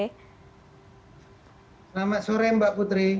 selamat sore mbak putri